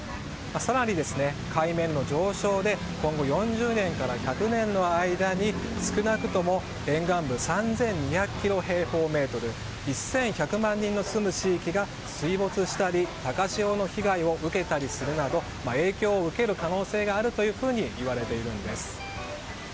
更に、海面の上昇で今後４０年から１００年の間に少なくとも沿岸部３２００万平方キロメートル１１００万人の住む地域が水没したり高潮の被害を受けたりするなど影響を受ける可能性があるといわれているんです。